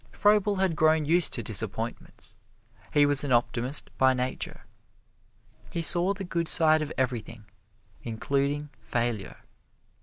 Froebel had grown used to disappointments he was an optimist by nature. He saw the good side of everything, including failure.